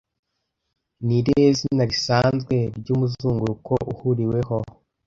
Ni irihe zina risanzwe ryumuzunguruko uhuriweho